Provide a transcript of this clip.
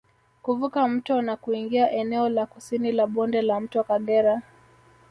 Kuvuka mto na kuingia eneo la kusini la bonde la mto Kagera